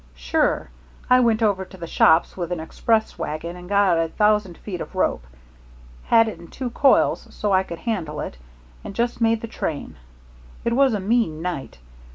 "Sure. I went over to the shops with an express wagon and got a thousand feet of rope had it in two coils so I could handle it and just made the train. It was a mean night.